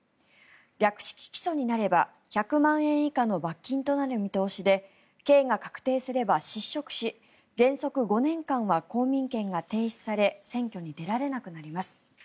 略式起訴になれば１００万円以下の罰金となる見通しで刑が確定すれば失職し原則５年間は公民権が停止され選挙に出られなくなります。